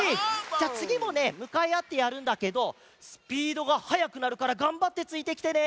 じゃあつぎもねむかいあってやるんだけどスピードがはやくなるからがんばってついてきてね。